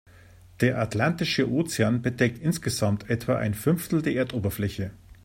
Der Atlantische Ozean bedeckt insgesamt etwa ein Fünftel der Erdoberfläche.